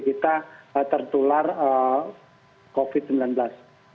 kita tertular covid sembilan belas